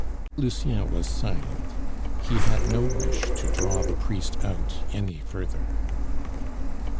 Lucien was silent; he had no wish to draw the priest out any further.